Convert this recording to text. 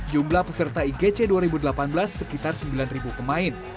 jumlah peserta igc dua ribu delapan belas sekitar sembilan pemain